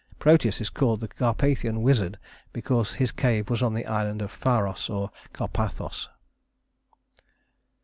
Proteus is called the Carpathian wizard because his cave was on the island of Pharos, or Carpathos.